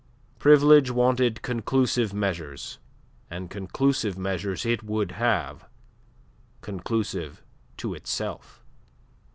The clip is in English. Privilege wanted conclusive measures, and conclusive measures it would have conclusive to itself.